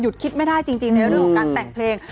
คิดไม่ได้จริงในเรื่องของการแต่งเพลง